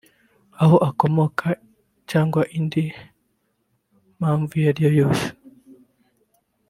aho akomoka cyangwa indi mpamvu iyo ariyo yose